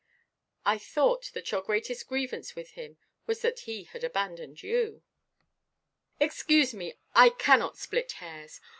"I thought that your greatest grievance with him was that he had abandoned you." "Excuse me; I cannot split hairs.